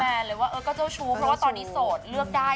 เลยว่าเออก็เจ้าชู้เพราะว่าตอนนี้โสดเลือกได้